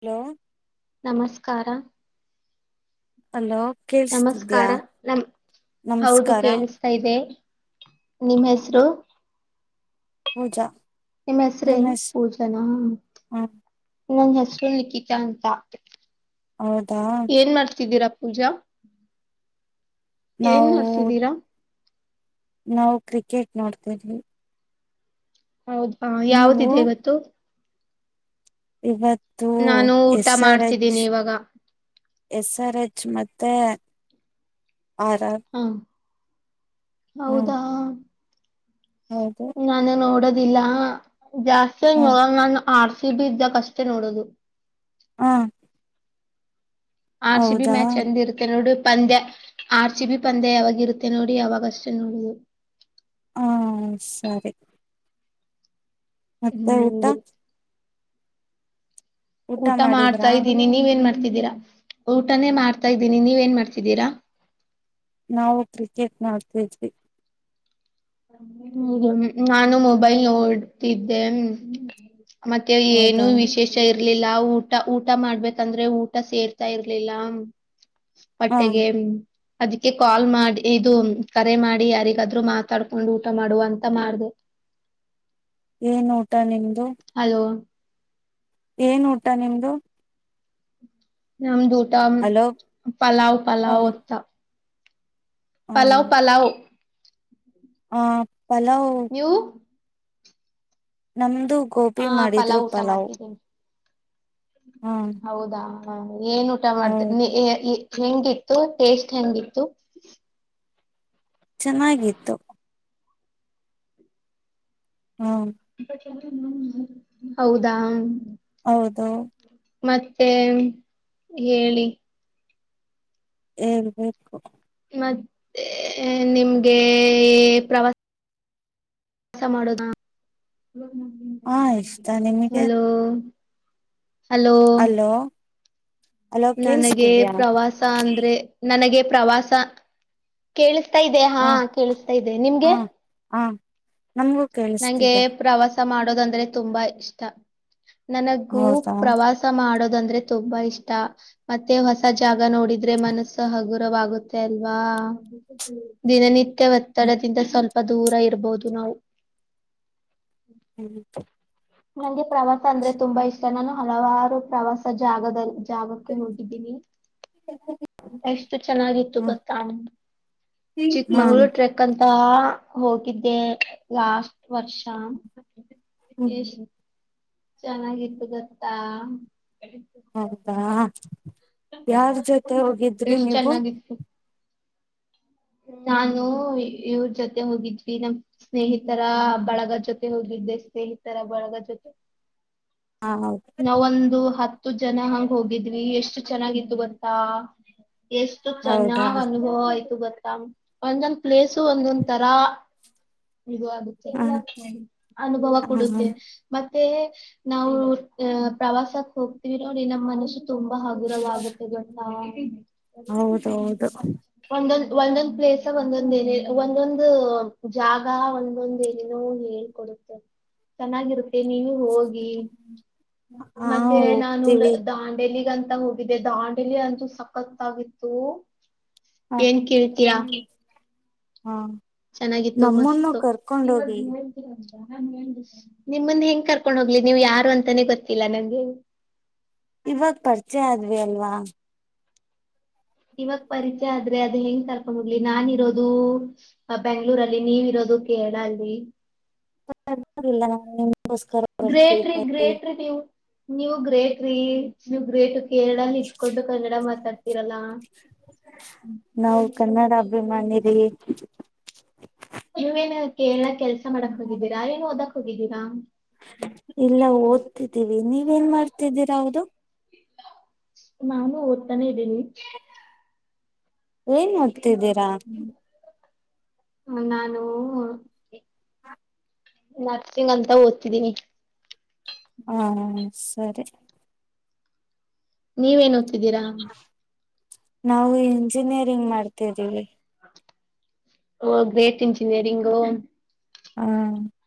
Hello ನಮಸ್ಕಾರ hello ಕೇೇಳಸ್ತಿದ್ಯಾ ನಮಸ್ಕಾರ ನಮ ಹೌದು ನಮಸ್ಕಾರ ಕೇೇಳಸ್ತಾ ಇದೆ ನಿಮ್ಮ್ ಹೆಸರು ಹೂಜಾ ನಿಮ್ಮ ಹೆಸ್ರೇನು ಪೂಜನ ಹ ನನ್ ಹೆಸರು ಲಿಕಿತ ಅಂತ ಹೌದಾ ಏನ್ ಮಾಡ್ತಿದ್ದೀರಪ್ಪ ಪೂಜಾ ಏನ್ ನಾವು ಮಾಡ್ತಿದೀರಾ ನಾವು ಕ್ರಿಕೆಟ್ ನೋಡ್ತೇವಿ ಹೌದಾ ಯಾವ್ದಿದೆ ಇವತ್ತು ಇವತ್ತ ನಾನು ಊಟ ಮಾಡ್ತಿದ್ದೀನಿ ಇವಾಗ ಎಸ್ ಆರ್ ಮತ್ತೆ ಆರಾಮ ಹ ಹೌದಾ ಹೌದು ನಾನು ನೋಡದ ದಿಲ್ಲಾ ಜಾಸ್ತಿ ಹ್ಮ್ ನೋಡಲ್ ನಾನ್ ಆರ್ ಸಿ ಬಿ ಇದ್ದಾಗ ಅಷ್ಟೇ ನೋಡೋದು ಹಾ ಆರ್ ಸಿ ಬಿ ಮ್ಯಾಚ್ ಚಂದ ಇರುತ್ತೇ ನೋಡು ಪಂದ್ಯ ಆರ್ ಸಿಿ ಬಿ ಪಂದ್ಯ ಯಾವಾಗ ಇರುತ್ತೆ ನೋಡಿ ಅವಾಗ್ಗಷ್ಟೇ ನೋಡೋದು ಹಾ ಸರಿ ಮತ್ತೆ ಊಟಾ ಹ್ಮ್ ಊಟಾ ಮಾಡಿದ್ರಾ ಮಾಡ್ತಾ ಇದ್ದೀನಿ ನೀವ ಏನ್ ಮಾಡ್ತ ಮಾಡತಿದ್ದೀರಾ ಊಟನೇ ಮಾಡ್ತಾ ಇದ್ದೀನಿ ನೀವ ಏನ್ ಮಾಡ್ತಿದ್ದೀರಾ ನಾವು ಕ್ರಿಕೆಟ್ ನೋಡ್ತಿದ್ವಿ ಹ್ಮ ನಾನು ಮೊಬೈಲ್ ನೋಡ್ತಿದ್ದೆ ಮತ್ತೆ ಏನು ಹೌದಾ ವಿಶೇಷ ಇರ್ಲಿಲ್ಲ ಊಟ ಊಟ ಮಾಡ್ಬೇಕಂದ್ರೆ ಊಟ ಸೇರ್ತಾ ಇರ್ಲಿಲ್ಲ ಹ ಪಟ್ಟೆಗೆ ಅದಕ್ಕೆ ಕಾಲ್ ಮಾಡಿ ಇದು ಕರೆ ಮಾಡಿ ಯಾರಿಗಾದ್ರು ಮಾತ ಕರಕೊಂಡ ಊಟ ಮಾಡುವಾ ಅಂತಾ ಮಾಡದೇ ಏನ್ ಊಟ ನಿಮ ಹಲೋ ಏನ್ ಊಟ ನಿಮ್ದು ನಮ್ಮ ದೂಡ ಹಲೋ ಪಲಾವ ಹ ಪಲಾವ ಅತ್ತ ಪಲಾವ್ ಪಲಾವ್ ಹಾ ಪಲಾವ ನೀವು ನಮ್ದು ಗೋಬಿ ಆ ಮಾಡಿದ್ರು ಊಟ ಪಲಾವ್ ಮಾಡ್ತಿದ್ದೀನಿ ಹ ಹೌದಾ ಏನ್ ಊಟ ಮಾಡ್ದೆ ನೀ ಹೌದು ಏ ಏ ಹೆಂಗಿತ್ತು ಟೇಸ್ಟ್ ಹೆಂಗಿತ್ತು? ಚೆನ್ನಾಗಿತ್ತು. ಹ್ಮ್ ಹೌದಾ ಹೌದು ಮತ್ತೆ ಹೇಳಿ ಹೇಳ್ಬೇಕು ಮತ್ತೆ ನಿಮ್ಗೆ ಪ್ರವಾಸ ಮಾಡೋದ ಹಾಂ ಇಷ್ಟ ನಿಮಗೆ? ಹಲೋ ಅಲೋ ಅಲೋ ನನಗೆ ಕೇಳಿಸ್ತಿದ್ಯಾ ಪ್ರವಾಸ ಅಂದ್ರೆ ನನಗೆ ಪ್ರವಾಸ ಕೇಳುಸ್ ತಾ ಇದ್ಯಾ ಹ ಹಾಂ ಕೇಳಿಸ್ತಾ ಇದೆ ಹ ನಿಮ್ಗೆ? ಹ ನಮಗೂ ನಂಗೆ ಕೇಳಿಸ್ತಿದೆ ಪ್ರವಾಸ ಮಾಡ್ ಮಾಡೋದಂದ್ರೆ ತುಂಬಾ ಇಷ್ಟ. ನನಗು ಹೌದಾ ಪ್ರವಾಸ ಮಾಡೋದಂ ದ್ರೆ ತುಂಬಾ ಇಷ್ಟ ಮತ್ತೆ ಹೊಸ ಜಾಗ ನೋಡಿದ್ರೆ ಮನಸ್ಸು ಹಗುರವಾಗುತ್ತೆ ಅಲ್ವಾ ದಿನನಿ ಹ್ಮ [unintelligible] ಪ್ಪ ದೂರ ಇರ್ಬಹುದು ನಾವು [unintelligible] [unintelligible] ಪ್ರವಾಸ ಅಂದ್ರೆ ತುಂಬಾ ಇಷ್ಟ ನಾನು ಹಲವಾರು ಪ್ರವಾಸ ಜಾಗದಲ್ ಜಾಗಕ್ಕೆ ಹೋಗಿದ್ದೀನಿ ಎಷ್ಟು ಚೆನ್ನಾಗಿತ್ತು ಹ್ಮ್ ಗೊತ್ತಾ ಚಿಕ್ಮಂಗ್ಳೂರು ಟ್ರೆಕ್ ಅಂ ಪ ಹೋಗಿದ್ದೆ ಲಾಸ್ಟ್ ವರ್ಷ ಹ್ಮ್ ಎಶ್ ಚೆನ್ನಾಗಿತ್ತು ಗೊತ್ತಾ? ಹೌದಾ ಯಾರ್ ಜೊತೆ ಹೋಗಿದ್ರಿ ಎಷ್ಟ್ ನೀವು? ಚೆನ್ನಾಗಿತ್ತು. ನಾನು ಇವ್ರ್ ಜೊತೆ ಹೋಗಿದ್ವಿ ನಮ್ ಸ್ನೇಹಿತರ ಬಳಗ ಜೊತೆ ಹೋಗಿದ್ದೆ ಸ್ನೇಹಿತರ ಬಳಗ ಜೊತೆ ಹ ನ ಒಂದು ಹತ್ತು ತ್ತು ಜನ ಹಂಗ ಹೋಗಿದ್ವಿ ಎಷ್ಟು ಚೆನ್ನಾಗಿತ್ತು ಗೊತ್ತಾ. ಎಷ್ಟು ಹೌದಾ ಚೆನ್ನಾಗ್ ಅನುಭವ ಆಯ್ತು ಗೊತ್ - ಒಂದೊಂದ್ ಪ್ಲೇಸು ಒಂದೊಂದ್ ತರ. ಇದು ಆಗುತ್ತೆ ಹ ಎಲ್ಲ ಅನುಭವ ಹ ಕೊಡುತ್ತೆ ಮತ್ತೆ. ಮತ್ತೆ ನಾವು ಅಹ ಪ್ರವಾಸಕ್ಕೆ ಹೋಗ್ತೀವಿ ನೋಡಿ ನಮ್ಮ್ ಮನಸ್ಸು. ತುಂಬಾ ಹಗುರವಾಗುತ್ತೆ ಗೊತ್ತಾ. [inaudible] ಹೌದೌದು. ಒಂದೊಂದ್ ಒಂದೊಂದ್ ಪ್ಲೇಸ್ ಒಂದೊಂದ ಏನ ಒಂದೊಂದು- ಜಾಗ ಒಂದೊಂದ ಏನೋ ಹೇಳ್ಕೊಡುತ್ತೆ ಚೆನ್ನಾಗಿರುತ್ತೆ. ನೀವು ಹೋಗಿ ಹಾ ಮತ್ತೆ ನಾನು ಹೋಗ್ತೀವಿ ದಾಂಡೇಲಿಗಂತ - ಹೋಗಿದ್ದೆ ದಾಂಡಿಲಿ ಅಂತೂ ಸಕತ್ತಾಗಿತ್ತು. ಏನ್ ಕೇಳ್ತೀರಾ. ಹ್ಮ. ಚೆನ್ನಾಗಿತ್ತು ಮಸ್ತು. ನಿಮ್ನ ಹೆಂಗ್ ಕರ್ಕೊಂಡ್ ಹೋಗ್ಲಿ ನೀವು ಯಾರು ಅಂತಾನೆ ಗೊತ್ತಿಲ್ಲ ನಂಗೆ. ಇವಾಗ ಪರಿಚಯ ಆದ್ವಿ ಅಲ್ವಾ. ಇವಾಗ ಪರಿಚಯ ಆದ್ರೆ ಅದ ಹೆಂಗ್ ಕರ್ಕೊಂಡ್ ಹೋಗ್ಲಿ ನಾನ ಇರೋದು ಬೆಂಗ್ಳೂರಲ್ಲಿ ನೀವಿ ಇರೋದು ಕೇರಳ ಅಲ್ಲಿ. [unintelligible] ಬರ್ತೀವಿ ಗ್ರೇಟ್ರಿ ಕರೀ ಗ್ರೇಟ್ರಿ ನೀವು. ನೀವು ಗ್ರೇಟ್ರಿ. ಗ್ರೇಟು ಕೇರಳನ ಇದ್ಕೊಂಡು ಕನ್ನಡ ಮಾತಾಡ್ತಿರಲ್ಲ. ನಾವು ಕನ್ನಡ ಅಭಿಮಾನಿರಿ. ನೀವೇನು ಕೇರಳ ಕೆಲ್ಸ. ಕೆಲ್ಸ ಮಾಡಕ್ ಹೋಗಿದ್ದೀರಾ ಏನು ಓದಕ್ ಹೋಗಿದ್ದೀರಾ. ನೀ ಏನ್ ಮಾಡ್ತಿದ್ದೀರಾ ಹೌದು. ನಾನು ಓದುತ್ತ ಇದೀನಿ. ಏನ್ ಓದು. ತಿದ್ದೀರಾ ನಾನು. ನರ್ಸಿಂಗ್ ಅಂತ ಓದ್ತಿದ್ದೀನಿ. ಹಾ ಸರಿ. ನೀವೇನ ಓದು. ಇದ್ದೀರಾ ನಾವು ಇಂಜಿನಿಯರಿಂಗ್ ಮಾಡ್ತಿದ್ದೀವಿ. Oh great engineering. ಹಾ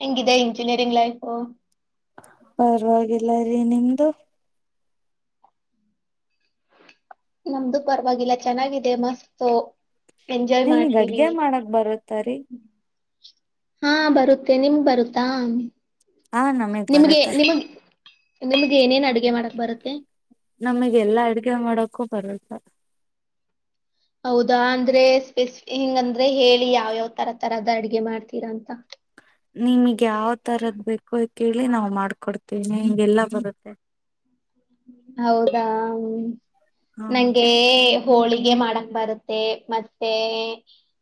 ಹೆಂಗಿದೆ ಇಂಜಿನಿಯರಿಂಗ್ ಲೈಫು ಪರ್ವಾಗಿಲ್ಲ ರೀ ನಿಮ್ದು ನಮ್ದು ಪರವಾಗಿಲ್ಲ ಚೆನ್ನಾಗಿದೆ ಮಸ್ತ್ ಎಂಜಾಯ್ ನಿಮ್ಗ್ ಮಾಡ್ತೀವಿ. ಅಡ್ಗೆ ಮಾಡಕ್ ಬರುತ್ತರೀ ಹಾ ಬರುತ್ತೆ ನಿಮಗೆ ಬರುತ್ತಾ ಹಾ ನಮಗ್ ನಿಮ್ಗೆ ಬರುತ್ತೆ ನಿಮಗ್ ನಿಮ್ಗೆ ಏನೇನ್ ಅಡುಗೆ ಮಾಡಕ್ ಬರುತ್ತೆ ನಮಗೆ ಎಲ್ಲಾ ಅಡ್ಗೆ ಮಾಡಕ್ಕೂ ಬರುತ್ತೆ ಹೌದಾ ಅಂದ್ರೆ ಸ್ಪೆಸಿಫ ಹಿಂಗ ಅಂದ್ರೆ ಹೇಳಿ ಯಾವ್ಯಾವ ತರ ತರದ ಅಡ್ಗೆ ಮಾಡ್ತೀರಾ ಅಂತ ನಿಮಗ್ ಯಾವ ತರದು ಬೇಕು ಕೇಳಿ ನಾವ್ ಮಾಡ್ಕೊಡ್ತೇವಿ ಹಿಂಗೆಲ್ಲಾ ಬರುತ್ತೆ ಹೌದ ಹ್ಮ್ ಹಾ ನಂಗೆ ಹೋಳಿಗೆ ಮಾಡಕ ಬರುತ್ತೆ ಮತ್ತೆ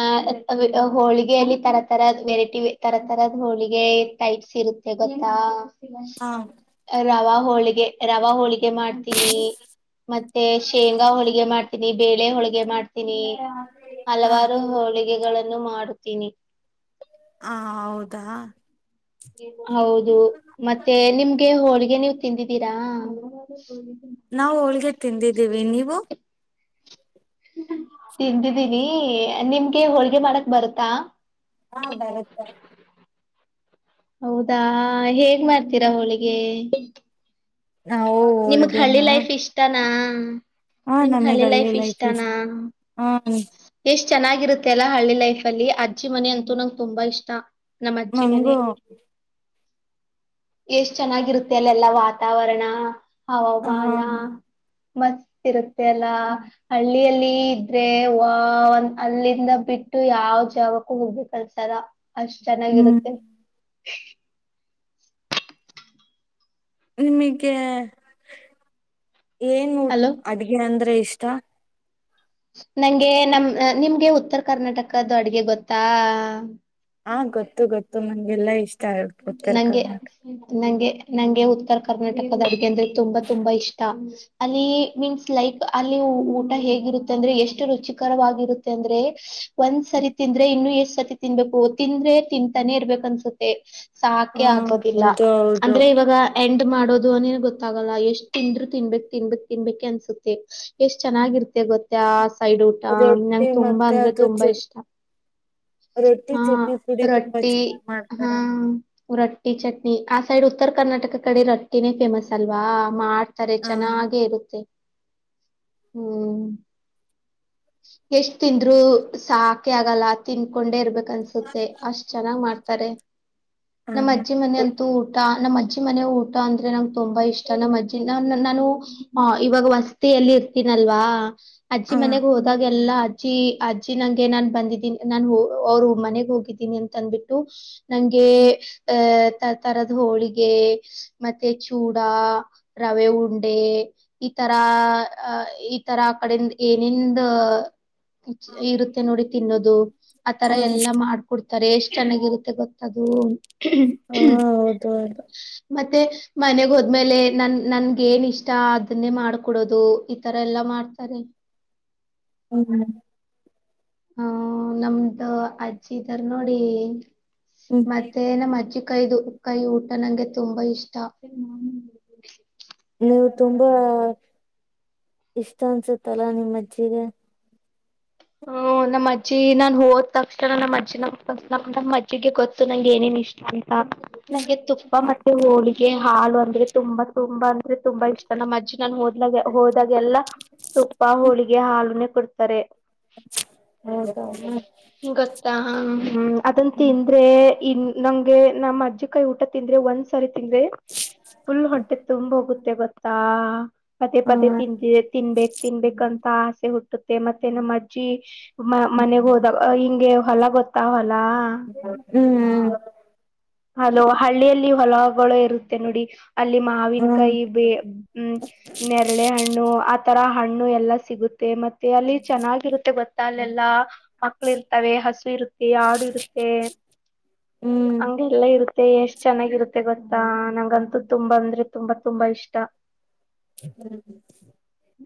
ಅ ಹೋಳಿಗೆಯಲ್ಲಿ ತರ ತರದ್ ವೆರೈಟಿ ತರ ತರದ ಹೋಳಿಗೆ ಹಾ ರವಾ ಹೋಳಿಗೆ ರವ ಹೋಳಿಗೆ ಮಾಡ್ತೀನಿ ಮತ್ತೆ ಶೇಂಗಾ ಹೋಳಿಗೆ ಮಾಡ್ತನೀ ನೀ ಬೇಳೆ ಹೋಳ್ಗೆ ಮಾಡ್ತೀನಿ ಹ ಹಲವಾರು ಹ ಹೋಳಿಗಳನ್ನು ಮಾಡುತ್ತೀನಿ ಹಾ ಹೌದ ಹ ಹೌದು ಮತ್ತೆ ನಿಮ್ಗೆ ಹೋಳಿಗೆ ನೀವು ತಿಂದಿದ್ದೀರಾ ನಾವು ಹೋಳಿಗೆ ತಿಂದಿದ್ದೀವಿ ನೀವು ತಿಂದಿದ್ದೀನಿ ನಿಮ್ಗೆ ಹೋಳ್ಗೆ ಮಾಡಕ್ ಬರತ್ತಾ ಹಾ ಬರುತ್ತೆ ಹೌದಾ ಹೇಗ್ ಮಾಡ್ತೀರಾ ಹೋಳಿಗೆ ನಾವು ನಿಮಗ್ ಹೋಳ್ಗೆನ ಹಳ್ಳಿ ಲೈಫ್ ಇಷ್ಟನ ಹ್ಮ್ ಹಾ ನಮಗ್ ಹಳ್ಳಿ ಲೈಫ್ ಇಷ್ಟ ಎಷ್ಟ್ ಚೆನ್ನಾಗಿರುತ್ತೆ ಅಲ್ಲಾ ಹಳ್ಳಿ ಲೈಫ ಅಲ್ಲಿ ಅಜ್ಜಿ ಮನೆ ಅಂತೂ ನಂಗೆ ತುಂಬಾ ಇಷ್ಟ ನಮ್ಮ್ ಅಜ್ಜಿ ಮನೆ ನಂಗು ಎಷ್ಟ್ ಚೆನ್ನಾಗಿರುತ್ತೆ ಅಲ್ಲ ಎಲ್ಲಾ ವಾತಾವರಣ ಹ ಹವಾಮಾನ ಮಸ್ತ್ ಇರುತ್ತೆ ಅಲ್ಲ ಹಳ್ಳಿಯಲ್ಲಿ ಇದ್ರೆ ವಂದ ಅಲ್ಲಿಂದ ಬಿಟ್ಟು ಯಾವ ಜಾವಕ್ಕೂ ಹೋಗಬೇಕು ಅನಿಸಲ್ಲ ಅಷ್ಟ್ ಹ್ಮ್ ಚೆನ್ನಾಗಿರುತ್ತೆ ನಿಮಗೆ ಏನ್ ಮೂ ಹಲೋ ಅಡ್ಗೆ ಅಂದ್ರೆ ಇಷ್ಟಾ ನಂಗೆ ನಮ ನಿಮ್ಗೆ ಉತ್ತರ ಕರ್ನಾಟಕದ್ದು ಅಡ್ಗೆ ಗೊತ್ತಾ ಹಾ ಗೊತ್ತು ಗೊತ್ತು ನಂಗೆಲ್ಲಾ ಇಷ್ಟ ಉತ್ತರ ನಂಗೆ ಕರ್ನಾಟಕ ನಂಗೆ ನಂಗೆ ಉತ್ತರ ಕರ್ನಾಟಕದ ಅಡ್ಗೆ ಅಂದ್ರೆ ತುಂಬಾ ತುಂಬಾ ಇಷ್ಟ ಅಲ್ಲಿ ಮೀನ್ಸ್ ಲೈಕ್ ಅಲ್ಲಿ ಊಟ ಹೇಗಿರುತ್ತೆ ಅಂದ್ರೆ ಎಷ್ಟು ರುಚಿಕರವಾಗಿರುತ್ತೆ ಅಂದ್ರೆ ಒಂದ್ ಸರಿ ತಿಂದ್ರೆ ಇನ್ನು ಎಷ್ಟ ಸತಿ ತಿನ್ಬೇಕು ತಿಂದ್ರೆ ತಿಂತಾನೆ ಇರ್ಬೇಕ ಅನ್ಸುತ್ತೆ ಸಾಕೆ ಹಾ ಆಗೋದಿಲ್ಲ ಹೌದು ಹೌದು ಅಂದ್ರೆ ಇವಾಗ ಎ ಮಾಡೋದು ಅನೇನ್ ಗೊತ್ತಾಗಲ್ಲ ಎಷ್ಟ್ ತಿಂದ್ರು ತಿನ್ಬೇಕು ತಿನ್ಬೇಕಕ್ ತಿನ್ಬೇಕಕ್ ಅನ್ಸುತ್ತೆ ಎಷ್ಟ್ ಚೆನ್ನಾಗಿರ್ತ್ತತೆ ಗೊತ್ತ ಆ ಸೈಡ್ ಊಟ ನಂ ರೊಟ್ಟಿ ತುಂಬಾ ಮತ್ತೆ ಅಂದ್ರೆ ಅದು ತುಂಬಾ ಚ ಇಷ್ಟ ರೊಟ್ಟಿ ಹ ಚಟ್ನಿ ಪುಡಿ ತುಂಬಾ ರೊಟ್ಟಿ ಚೆನ್ನಾಗ್ ಮಾಡ್ತಾರ ಹ ರೊಟ್ಟಿ ಚಟ್ನಿ ಆ ಸೈಡ್ ಉತ್ತರ ಕರ್ನಾಟಕ ಕಡೆ ರೊಟ್ಟಿನೇ ಫೇಮಸ್ ಅಲ್ವಾ ಆತಾರೆ ಹಾ ಚೆನ್ನಾಗೆ ಇರುತ್ತೆ ಹ್ಮ್ ಎಷ್ಟ್ ತಿಂದ್ರು ಸಾಕೆ ಆಗಲ್ಲ ತಿನ್ಕೊಂಡೆ ಇರ್ಬೇಕು ಕನ್ಸುತ್ತೆ ಅಷ್ಟ್ ಚೆನ್ನ್ ಮಾಡ್ತಾರೆ ಸಾರೆ ನಮ್ಮ್ಜ್ಜಿ ಮನೆ ಹಾ ಅಂತೂ ಊಟ ನಮ್ಮ್ಜ್ಜಿ ಅಜ್ಜಿ ಮನೆ ಊಟ ಅಂದ್ರೆ ನಂಗೆ ತುಂಬಾ ಇಷ್ಟ ನಮ್ಮ ಅಜ್ಜಿ ನ ನಾನು ಇವಾಗ ಮಸ್ತಿಯಲ್ಲಿ ಇರ್ತೀನಲ್ವಾ ಅಜ್ಜಿ ಹಾ ಮನೆಗ್ ಹೋದಾಗ ಎಲ್ಲ ಅಜ್ಜಿ ಅಜ್ಜಿ ನಂಗೆ ನಾನ್ ಬಂದಿದ್ದೀನಿ ನಾನ್ ಅವ್ರು ಮನೆಗ್ ಹೋಗಿದ್ದೀನಿ ಅಂತ ಅಂದಬಿಟ್ಟು ನಂಗೆ ಅ ತರದ ಹೋಳಿಗೆ ಮತ್ತೆ ಚೂಡ ರವೆ ಉಂಡೆ ಈ ತರ ಈ ತರ ಕಡೆಿಂದ ಏನಂದ ಇರುತ್ತೆ ನೋಡಿ ತಿನ್ನದು ಆತರ ಹ್ಮ್ ಎಲ್ಲಾ ಮಾಡ್ಕೊಡ್ತ ತಾರೆ ಎಷ್ಟ್ ಚೆನ್ನಾಗಿರುತ್ತೆ ಗೊತ್ತದು ಹ್ಮ ಹಾ ಹ್ಮ ಹೌದು ಹೌದು ಮತ್ತೆ ಮನೆಗ್ ಹೋದ್ಮೇಲೆ ನನ್ ನನ್ಗ ಏನ್ ಇಷ್ಟ ಅದನ್ನೇ ಮಾಡ್ಕೊಡೋದು ಈತರ ಎಲ್ಲಾ ಮಾಡ್ತಾರೆ ಹ್ಮ್ ಹ್ಮ ನಮ್ದ ಅಜ್ಜಿ ಇದಾರ ನೋಡಿ ಹ್ಮ್ ಮತ್ತೆ ನ್ ಅಜ್ಜಿ ಕಾಯ್ದು ಕೈ ಊಟ ನಂಗೆ ತುಂಬಾ ಇಷ್ಟ ನೀವು ತುಂಬಾ ಇಷ್ಟ ಅನ್ಸುತ್ತಲ್ಲಾ ನಿಮ್ಮ ಅಜ್ಜಿಗೆ ಹ್ಮ ನಮ್ಮ್ ಅಜ್ಜಿ ನಾನ್ ಹೋದ ತಕ್ಷಣ ನಮ್ಮ ಅಜ್ಜಿನ ನ ನ ನಮ್ಮ ಅಜ್ಜಿಗೆ ಗೊತ್ತು ನಂಗೆ ಏನೇನ್ ಇಷ್ಟ ಆಯಿತ ನಂಗೆ ತುಪ್ಪ ಮತ್ತೆ ಹೋಳಿಗೆ ಹಾಲು ಅಂದ್ರೆ ತುಂಬಾ ತುಂಬಾ ಅಂದ್ರೆ ತುಂಬ ಇಷ್ಟ ನಮ್ಮಜ್ಜಿ ನಾನು ಹೋದ್ಲಾಗ ಹೋದಾಗಲ್ಲ ತುಪ್ಪ ಹೋಳಿಗೆ ಹಾಲುನೆ ಕೊಡ್ತಾರೆ ಹೌದಾ ಗೊತ್ತಾ ಹ ಹ್ಮ್ ಅದಂತಂತಿಂದ್ರೆ ಇನ್ ನಂಗೆ ನಮ್ಮ ಅಜ್ಜಿ ಕಾಯಿ ಊಟ ತಿಂದ್ರೆ ಒಂದ್ಸರಿ ತಿಂದ್ರೆ ಫುಲ್ ಹೊಟ್ಟೆ ತುಂಬೋಗುತ್ತೆ ಗೊತ್ತಾ ಪದೇ ಪದೇ ಹ್ಮ್ ತಿಂತಿದ್ರೆ ತಿನ್ಬೇಕು ತಿನ್ಬೇಕು ಆಸೆ ಹುಟ್ಟುತ್ತೆ ಮತ್ತೆ ನಮ್ಮಡ್ ಜ ಮ ಮನೆಗ್ ಹೋದಾಗ ಹಿಂಗೆ ಹೊಲ ಗೊತ್ತ ಹೊಲ ಹ್ಮ್ ಅದು ಹಳ್ಳಿಯಲ್ಲಿ ಹೊಲಗಳು ಇರುತ್ತೆ ನೋಡಿ ಅಲ್ಲಿ ಮಾವಿನ ಹ್ಮ್ ಕಾಯಿ ಬೇ ಹ್ಮ ನೆರಳೆ ಹಣ್ಣು ಆತರ ಹಣ್ಣು ಎಲ್ಲಾ ಸಿಗುತ್ತೆ ಮತ್ತೆ ಅಲ್ಲಿ ಚೆನ್ನಾಗಿರುತ್ತೆ ಮತ್ತೆ ಗೊತ್ತ ಅಲ್ಲೆಲ್ಲ ಮಳ ಇರ್ತವೆ ಹಸು ಇರುತ್ತ [inaudible] ಆಾಡು ಇರುತ್ತೆ ಹ್ಮ್ ಹಂಗ ರುತ್ತೆ ಎಷ್ಟ್ ಚೆನ್ನಾಗಿರುತ್ತೆ ಗೊತ್ತಾ ನಂಗಂತೂ ತುಂಬಾ ಅಂದ್ರೆ ತುಂಬಾ ತುಂಬಾ ಇಷ್ಟ [unintelligible] ಹ್ಮ್ [unintelligible]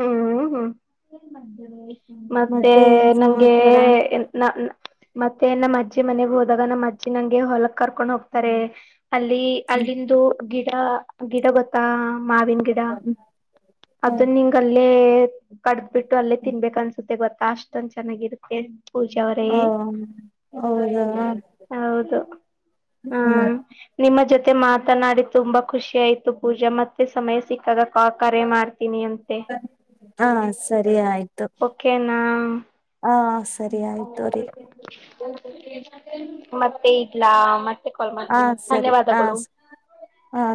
ಹ್ಮ್ ಹ್ಮ ಮತ್ತೆ ಏನ್ ನಂಗೆ ಸಮಾಚಾರ [unintelligible] ಮತ್ತೆ ನಮ್ಮ ಅಜ್ಜಿ ಮನೆಗ್ ಹೋದಾಗ ನಮ್ಮ್ ಅಜ್ಜಿ ನಂಗೆ ಹೊಲಕ್ ಕರ್ಕೊಂಡ್ ಹೋಗ್ತಾರೆ [unintelligible] ಅಲ್ಲಿ ಹ್ಮ್ ಅಲ್ಲಿಂದು ಗಿಡ ಗಿಡ ಗೊತ್ತಾ ಮಾವಿನ ಗಿಡ ಹ್ಮ್ ಅದನ್ನಂಗ ಕಡ [unintelligible] ಬಿಟ್ಟು ಅಲ್ಲಿೇ ತಿನ್ಬೇಕು ಅನ್ಸುತ್ತೆ ಗೊ [unintelligible] ಕಾಷ್ಟೊಂದ ಚೆನ್ನಾಗಿರುತ್ತೆ ಪೂಜೆ ಅವರೇ ಹ ಹೌದಾ ಹೌದು ಹಾ ನಿಮ್ಮ ಜೊತೆ [unintelligible] ಮತ್ತೆ ಮಾತನಾಡಿ ತುಂಬಾ ಖುಷಿ ಆಯ್ತು ಪೂಜಾ ಮತ್ತೆ ಸಮಯ ಸಿಕ್ಕಾಗ ಕರೆ ಮಾಡ್ತೀನಿ ಅ [unintelligible] ಹಾ ಸರಿ ಆಯ್ತು ಓಕೆನಾ ಹಾ ಸರಿ ಆಯ್ತು ರೀ ಮತ್ತೆ ಇಡ್ಲಾ ಮತ್ತೆ ಕಾಲ್ ಹ ಮಾಡ್ತೀನಿ ಸರಿ ಹ ಧನ್ಯವಾದಗಳು ಹ